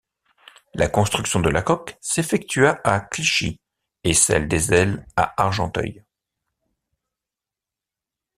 La construction de la coque s'effectua à Clichy, et celle des ailes à Argenteuil.